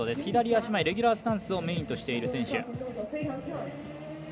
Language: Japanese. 左足前レギュラースタンスをメインとしている選手。